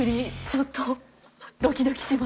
ちょっとドキドキします。